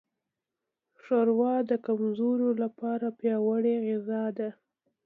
ښوروا د کمزورو لپاره پیاوړې غذا ده.